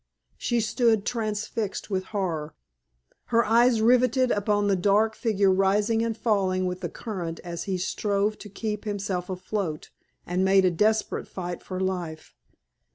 She stood transfixed with horror, her eyes riveted upon the dark figure rising and falling with the current as he strove to keep himself afloat, and made a desperate fight for life.